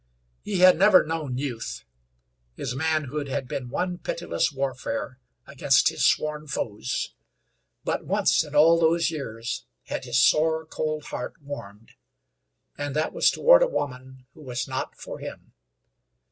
He had never known youth; his manhood had been one pitiless warfare against his sworn foes; but once in all those years had his sore, cold heart warmed; and that was toward a woman who was not for him.